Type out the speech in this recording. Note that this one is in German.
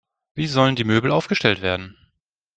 Wie sollen die Möbel aufgestellt werden?